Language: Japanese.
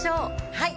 はい！